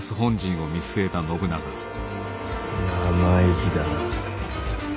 生意気だな。